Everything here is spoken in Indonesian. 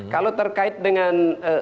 kalau terkait dengan